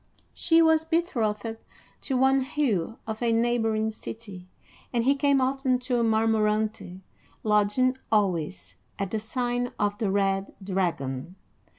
She was betrothed to one Hugh of a neighboring city, and he came often to Marmorante, lodging always at the sign of the Red Dragon.